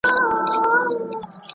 ایا تکړه پلورونکي جلغوزي اخلي؟